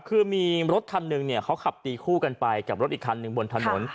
คือมีรถคันหนึ่งเขาขับตีคู่กันไปกับรถอีกคันหนึ่งบนถนน